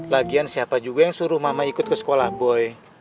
lagian siapa juga yang suruh mama ikut ke sekolah boy